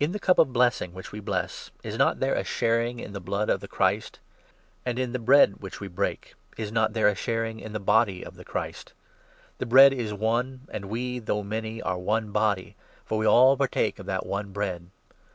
In 16 the Cup of Blessing which we bless, is not there a sharing in the blood of the Christ ? And in the Bread which we break, is not there a sharing in the Body of the Christ ? The Bread is 17 one, and we, though many, are one body ; for we all partake of that one Bread.